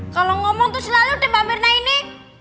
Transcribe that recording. kalo ngomong tuh selalu deh mbak mirna ini